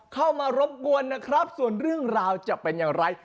เข้ามารบกวนนะครับส่วนเรื่องราวจะเป็นอย่างไร